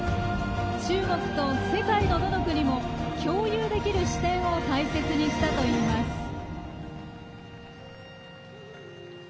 中国と世界のどの国も共有できる視点を大切にしたといいます。